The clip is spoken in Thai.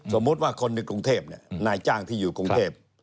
สมมุติว่าคนในกรุงเทพนายจ้างที่อยู่กรุงเทพ